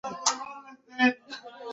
কিন্তু তুই আমাদের অভিবাবক হচ্ছিস তো?